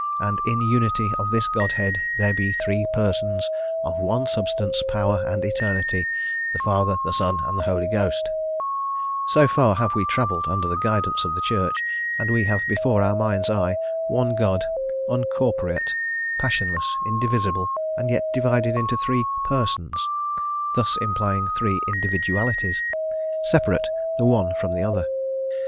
and in unity of this Godhead there be three persons, of one substance, power, and eternity; the Father, the Son, and the Holy Ghost" So far have we travelled under the guidance of the Church, and we have before our mind's eye, one God, uncorporeate, passionless, indivisible, and yet divided into three "persons," thus implying three individualities, separate the one from the other.